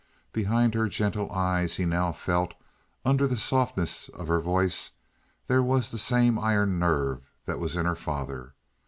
Behind her gentle eyes, he now felt, and under the softness of her voice, there was the same iron nerve that was in her father.